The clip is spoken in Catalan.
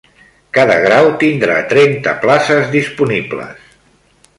Cada grau tindrà trenta places disponibles.